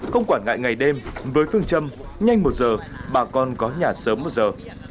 không quản ngại ngày đêm với phương châm nhanh một giờ bà con có nhà sớm một giờ